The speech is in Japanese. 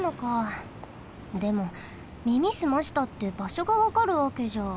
でも耳すましたってばしょがわかるわけじゃ。